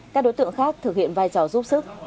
các đối tượng khác thực hiện vai trò giúp sức